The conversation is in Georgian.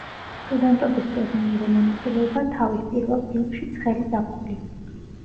სტუდენტობის დროს მიიღო მონაწილეობა თავის პირველ ფილმში „ცხელი ზაფხული“.